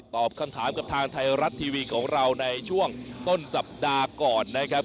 ตอบคำถามกับทางไทยรัฐทีวีของเราในช่วงต้นสัปดาห์ก่อนนะครับ